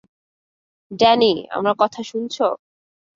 Danny, আমার কথা শুনছো?